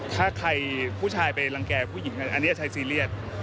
ถ้าใครผู้ชายไปรังแก่ผู้หญิงอันนี้ใช้ซีเรียส